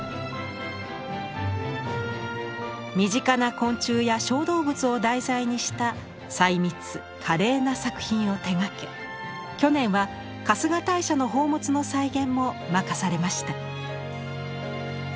身近な昆虫や小動物を題材にした細密華麗な作品を手がけ去年は春日大社の宝物の再現も任されました。